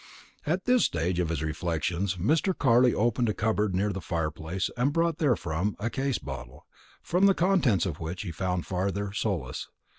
And at this stage of his reflections, Mr. Carley opened a cupboard near the fire place and brought therefrom a case bottle, from the contents of which he found farther solace.